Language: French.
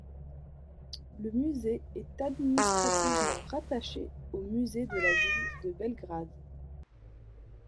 Le musée est administrativement rattaché au Musée de la Ville de Belgrade.